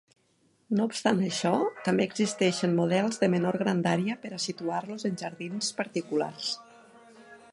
No obstant això, també existeixen models de menor grandària per a situar-los en jardins particulars.